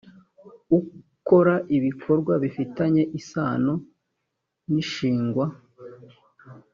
ukora ibikorwa bifitanye isano n ishingwa